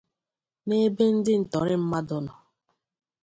N'ebe ndị ntọrị mmadụ nọ